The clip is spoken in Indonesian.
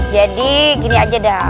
jadi gini aja dah